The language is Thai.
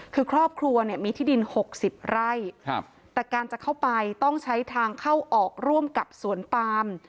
คือครอบครัวเนี่ยมีที่ดิน๖๐ไร่แต่การจะเข้าไปต้องใช้ทางเข้าออกร่วมกับสวนปาม